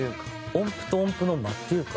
音符と音符の間っていうか